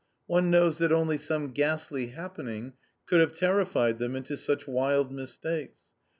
One knows that only some ghastly happening could have terrified them into such wild mistakes.